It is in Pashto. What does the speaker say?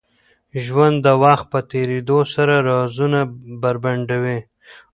ژوند د وخت په تېرېدو سره رازونه بربنډوي.